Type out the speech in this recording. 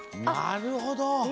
なるほど！